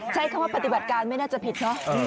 ใช้คำว่าปฏิบัติการไม่น่าจะผิดเนอะ